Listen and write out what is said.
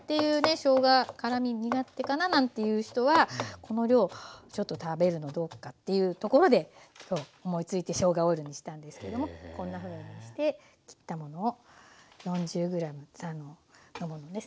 しょうが辛み苦手かななんていう人はこの量ちょっと食べるのどうかっていうとこまで今日思いついてしょうがオイルにしたんですけれどもこんなふうにして切ったものを４０ｇにしたものです。